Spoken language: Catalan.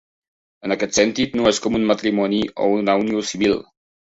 En aquest sentit, no és com un matrimoni o una unió civil.